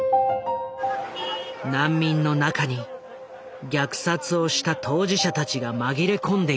難民の中に虐殺をした当事者たちが紛れ込んでいたのだ。